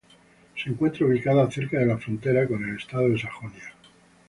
Se encuentra ubicada cerca de la frontera con el estado de Sajonia.